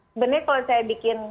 sebenarnya kalau saya bikin